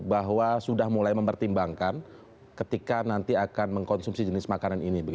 bahwa sudah mulai mempertimbangkan ketika nanti akan mengkonsumsi jenis makanan ini